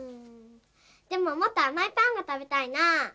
でももっとあまいパンがたべたいなぁ。